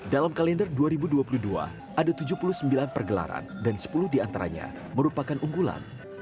dalam kalender dua ribu dua puluh dua ada tujuh puluh sembilan pergelaran dan sepuluh diantaranya merupakan unggulan